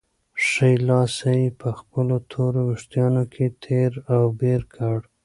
ښی لاس یې په خپلو تورو وېښتانو کې تېر او بېر کړ.